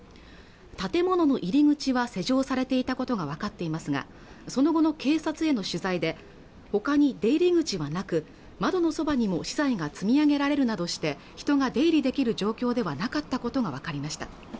建物の入り口は施錠されていたことがわかっていますがその後の警察への取材でほかに出入り口はなく窓のそばにも資材が積み上げられるなどして人が出入りできる状況ではなかったことが分かりました